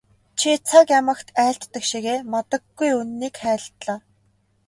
Чи цаг ямагт айлддаг шигээ мадаггүй үнэнийг айлдлаа.